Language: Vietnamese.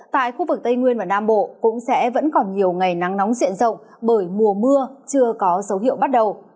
tại khu vực tây nguyên và nam bộ cũng sẽ vẫn còn nhiều ngày nắng nóng diện rộng bởi mùa mưa chưa có dấu hiệu bắt đầu